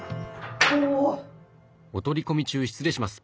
お取り込み中失礼します。